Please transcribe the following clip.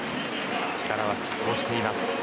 力は拮抗しています。